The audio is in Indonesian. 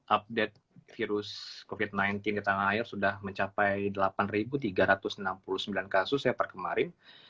update virus covid sembilan belas di tanah air sudah mencapai delapan tiga ratus enam puluh sembilan kasus ya per kemarin